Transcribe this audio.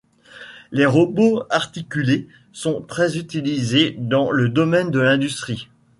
Les robots articulés sont très utilisés dans le domaine de l'industrie.